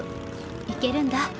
行けるんだ。